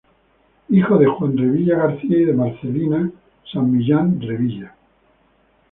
Hijo de Juan Revilla García y de Marcelina San Millan Revilla.